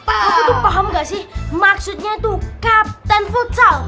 aku tuh paham gak sih maksudnya tuh captain futsal